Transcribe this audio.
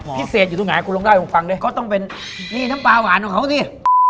พิเศษอยู่ทุกไหนคุณลงได้ผมฟังด้วยก็ต้องเป็นนี่น้ำปลาหวานของเขานี่